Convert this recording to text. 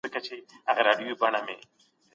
پوره له نيم څخه؛ زيات دئ.